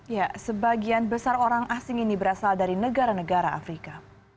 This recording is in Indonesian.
ya sebagian besar orang asing ini berasal dari negara negara afrika